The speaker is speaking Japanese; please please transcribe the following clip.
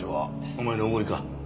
お前のおごりか？